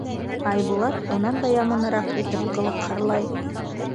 Айбулат унан да яманыраҡ итеп ҡылыҡһырлай: